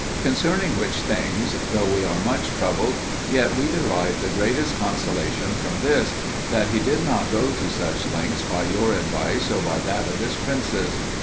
Concerning which things, though we are much troubled, yet we derive the greatest consolation from this, that he did not go to such lengths by your advice or by that of his princes.